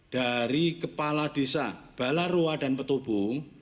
dari kepala desa balaroa dan petubung